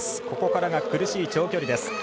ここからが苦しい長距離です。